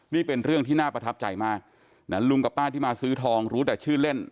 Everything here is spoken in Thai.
นี่เป็นเรื่องที่น่าประทับใจมากนะลุงกับป้าที่มาซื้อทองรู้แต่ชื่อเล่น